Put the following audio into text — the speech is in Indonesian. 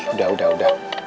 udah udah udah